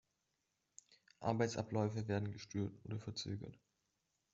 Arbeitsabläufe werden gestört oder verzögert.